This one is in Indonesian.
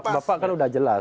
bapak kan sudah jelas